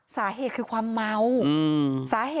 สาเหตุคือความเมา